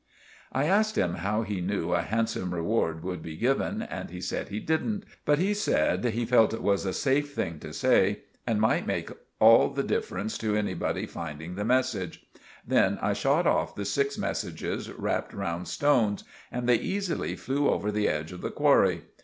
I asked him how he nue a handsome reward would be given, and he said he didn't, but that he felt it was a safe thing to say and might make all the diffrence to anybody finding the message. Then I shot off the six messages rapped round stones, and they eesily flew over the edge of the qwarry.